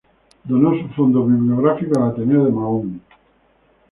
Donó su fondo bibliográfico al Ateneo de Mahón.